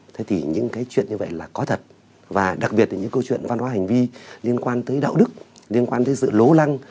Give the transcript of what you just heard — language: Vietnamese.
thế thì những cái chuyện như vậy là có thật và đặc biệt là những câu chuyện văn hóa hành vi liên quan tới đạo đức liên quan tới sự lố lăng